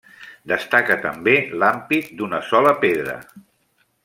Destaca també l'ampit d'una sola pedra.